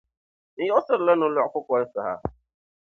N yiɣisirila nolɔgu kukoli saha.